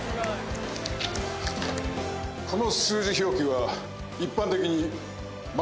この数字表記は一般的に①。